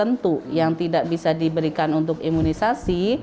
tentu yang tidak bisa diberikan untuk imunisasi